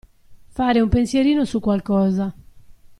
Fare un pensierino su qualcosa.